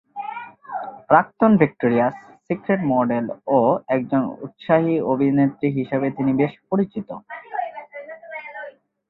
প্রাক্তন Victoria's secret model ও একজন উৎসাহী অভিনেত্রী হিসেবে তিনি বেশি পরিচিত।